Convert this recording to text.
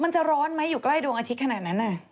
มันจะร้อนไหมอยู่ใกล้ดวงอาทิตย์ขนาดนั้น